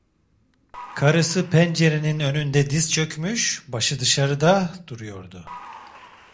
Karısı pencerenin önünde diz çökmüş, başı dışarıda, duruyordu.